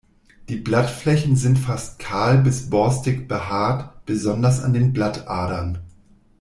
Die Blattflächen sind fast kahl bis borstig behaart besonders an den Blattadern.